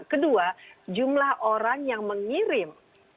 kedua jumlah orang yang mengirim